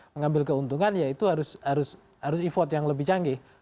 mengambil keuntungan ya itu harus effort yang lebih canggih